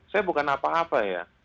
saya bukan apa apa ya